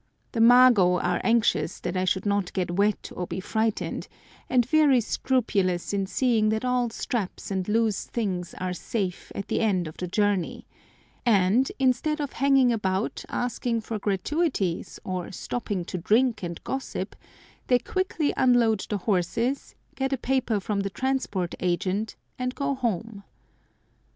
The mago are anxious that I should not get wet or be frightened, and very scrupulous in seeing that all straps and loose things are safe at the end of the journey, and, instead of hanging about asking for gratuities, or stopping to drink and gossip, they quickly unload the horses, get a paper from the Transport Agent, and go home.